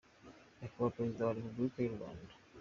Nyakubahwa Perezida wa Republika Y’U Rwanda,